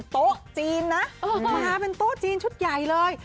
โต๊ะจีนนะมาเป็นโต๊ะจีนชุดใหญ่เลย